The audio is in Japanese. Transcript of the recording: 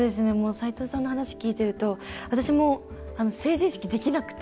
斎藤さんの話を聞いていると私も、成人式、できなくて。